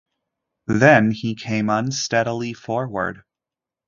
Then he came unsteadily forward.